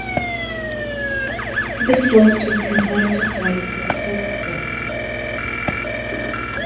This list is confined to sites that still exist.